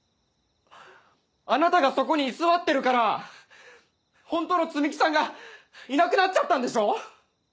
あなたがそこに居座ってるから本当の摘木さんがいなくなっちゃったんでしょ！